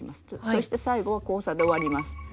そして最後は交差で終わります。